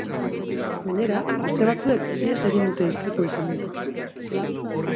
Gainera, beste batzuek ihes egin dute istripua izan den tokitik.